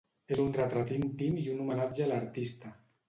És un retrat íntim i un homenatge a l'artista.